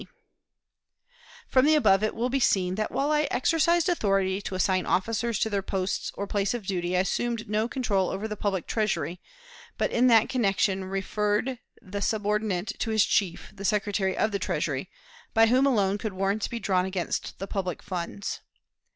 D. C._" From the above it will be seen that, while I exercised authority to assign officers to their posts or places of duty, I assumed no control over the public Treasury; but in that connection referred the subordinate to his chief, the Secretary of the Treasury, by whom alone could warrants be drawn against the public funds.